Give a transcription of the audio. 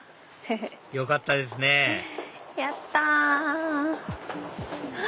よかったですねやった。